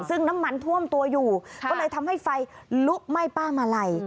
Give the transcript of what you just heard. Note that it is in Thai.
ซึ่งน้ำมันท่วมตัวอยู่ก็เลยทำให้ไฟลุกไหม้ป้ามาลัย